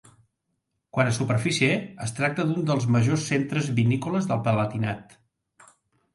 Quant a superfície, es tracta d'un dels majors centres vinícoles del Palatinat.